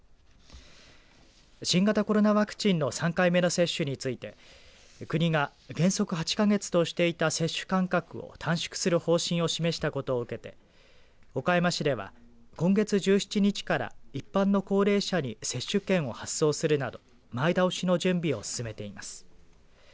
新型コロナワクチンの３回目の接種について国が原則８か月としていた接種間隔を短縮する方針を示したことを受けて岡山市では今月１７日から一般の高齢者に接種券を発送するなど前倒しの準備を進めています。